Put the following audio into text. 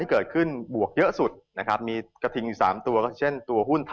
ที่เกิดขึ้นเรื่องพวกเยอะสุด